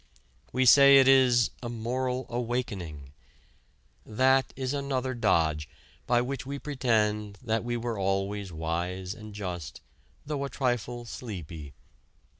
We say it is a "moral awakening." That is another dodge by which we pretend that we were always wise and just, though a trifle sleepy.